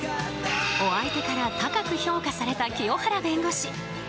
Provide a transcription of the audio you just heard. お相手から高く評価された清原弁護士。